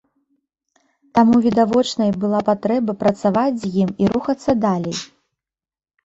Таму відавочнай была патрэба працаваць з ім і рухацца далей.